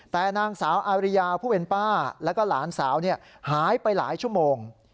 แต่นางสาวอาริยาผู้เป็นป้าแล้วก็หลานสาวหายไปหลายชั่วโมง